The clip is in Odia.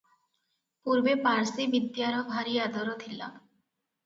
"ପୂର୍ବେ ପାର୍ସିବିଦ୍ୟାର ଭାରି ଆଦର ଥିଲା ।